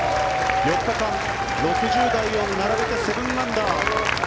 ４日間、６０台を並べて７アンダー。